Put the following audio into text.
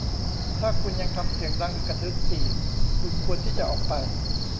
ถ้าคุณยังทำเสียงดังอึกทึกอีก คุณควรที่จะออกไป